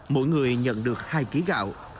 mỗi người nhận được hai ký gạo